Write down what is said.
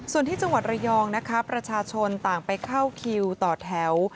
ส่วนที่จังหวัดระยองนะคะประชาชนต่างไปเข้าคิวต่อแถว